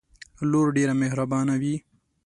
لور ډیره محربانه وی